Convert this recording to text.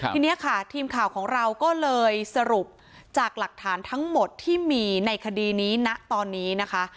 ทีนี้ค่ะทีมข่าวของเราก็เลยสรุปจากหลักฐานทั้งหมดที่มีในคดีนี้ณตอนนี้นะคะ